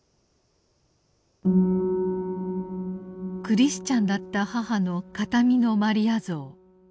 クリスチャンだった母の形見のマリア像。